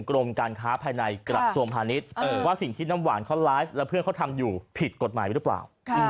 กรมการค้าภายในกระทรวงพาณิชย์ว่าสิ่งที่น้ำหวานเขาไลฟ์แล้วเพื่อนเขาทำอยู่ผิดกฎหมายหรือเปล่า